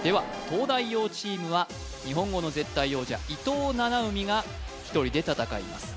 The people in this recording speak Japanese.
東大王チームは日本語の絶対王者伊藤七海が１人で戦います